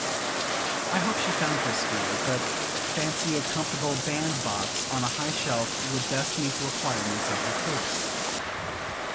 I hope she found her sphere, but fancy a comfortable bandbox on a high shelf would best meet the requirements of her case.